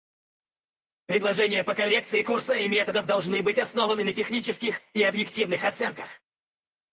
Предложения по коррекции курса и методов должны быть основаны на технических и объективных оценках.